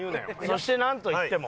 そしてなんといっても。